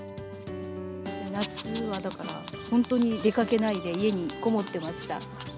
夏はだから、本当に出かけないで家に籠もってました。